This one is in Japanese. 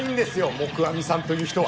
黙阿弥さんという人は。